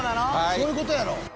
そういう事やろ。